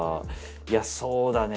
いやそうだね。